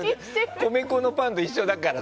米粉のパンと一緒だから。